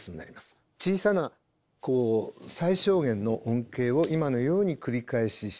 小さなこう最小限の音型を今のように繰り返ししていく。